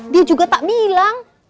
dia juga tak bilang